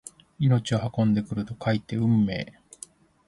命を運んでくると書いて運命！